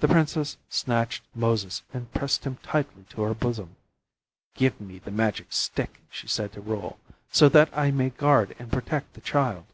The princess snatched Moses and pressed him tightly to her bosom. "Give me the magic stick," she said to Reuel, "so that I may guard and protect the child."